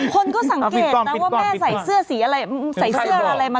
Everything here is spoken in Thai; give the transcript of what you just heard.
คนก็สังเกตว่าแม่ใส่เสื้อไม่เรียบ